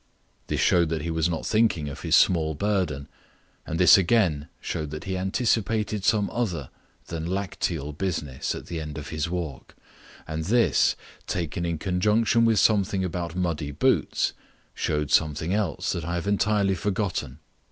This showed that he was not thinking of his small burden, and this again showed that he anticipated some other than lacteal business at the end of his walk, and this (taken in conjunction with something about muddy boots) showed something else that I have entirely forgotten.